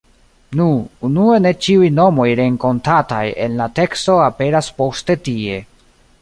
Nu, unue ne ĉiuj nomoj renkontataj en la teksto aperas poste tie.